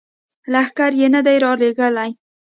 لښکر یې نه دي را لیږلي.